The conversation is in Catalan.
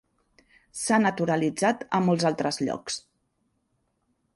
S'ha naturalitzat a molts altres llocs.